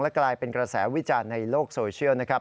กลายเป็นกระแสวิจารณ์ในโลกโซเชียลนะครับ